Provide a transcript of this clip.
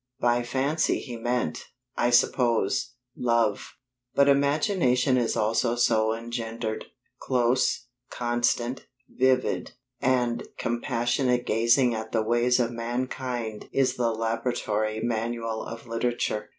By fancy he meant (I suppose) love; but imagination is also so engendered. Close, constant, vivid, and compassionate gazing at the ways of mankind is the laboratory manual of literature.